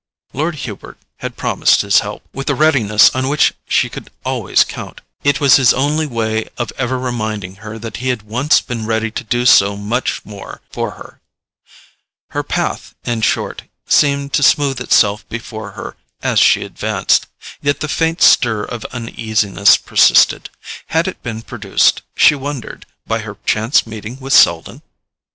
Lord Hubert had promised his help, with the readiness on which she could always count: it was his only way of ever reminding her that he had once been ready to do so much more for her. Her path, in short, seemed to smooth itself before her as she advanced; yet the faint stir of uneasiness persisted. Had it been produced, she wondered, by her chance meeting with Selden?